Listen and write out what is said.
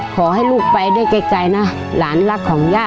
ขอให้ลูกไปได้ไกลนะหลานรักของย่า